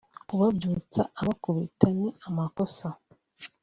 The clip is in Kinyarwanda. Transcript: kubabyutsa abakubita ni amakosa